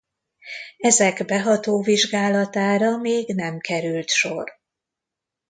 Ezek beható vizsgálatára még nem került sor.